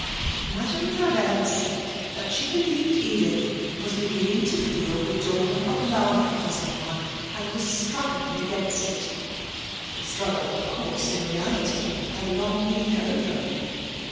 Madame Frabelle said that she believed Edith was beginning to feel the dawn of love for someone, and was struggling against it. (The struggle of course in reality had long been over.)